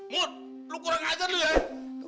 mut lo kurang ajar lo ya